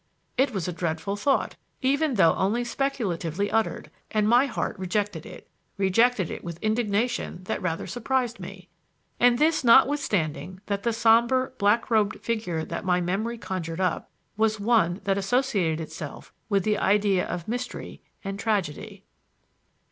It was a dreadful thought, even though only speculatively uttered, and my heart rejected it; rejected it with indignation that rather surprised me. And this notwithstanding that the somber black robed figure that my memory conjured up was one that associated itself with the idea of mystery and tragedy.